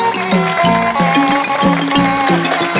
กลับมารับทราบ